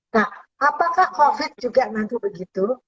nah apakah covid juga nanti begitu